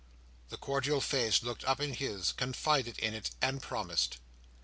The cordial face looked up in his; confided in it; and promised.